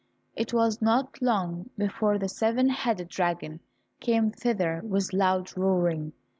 It was not long before the seven headed dragon came thither with loud roaring.